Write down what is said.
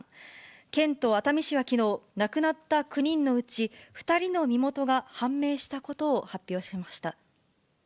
県と熱海市はきのう、亡くなった９人のうち２人の身元が判明したことを発表しました。